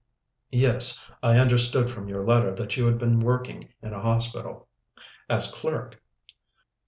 "Yes; I understood from your letter that you had been working in a hospital." "As clerk."